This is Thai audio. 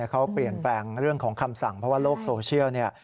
เขาเปลี่ยนแปลงเรื่องของคำสั่งเพราะว่าโลกโซเชียลเนี่ย